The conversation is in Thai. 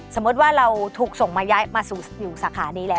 สมมุติว่าเราถูกส่งมาย้ายมาสู่อยู่สาขานี้แล้ว